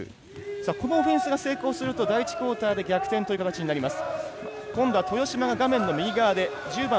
このオフェンスが成功すると第１クオーターで逆転する形になります。